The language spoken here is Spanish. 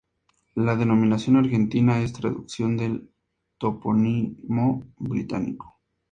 La denominación argentina es traducción del topónimo británico.